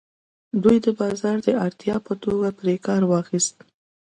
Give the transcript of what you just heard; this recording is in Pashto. دوی د بازار د اړتیا په توګه پرې کار واخیست.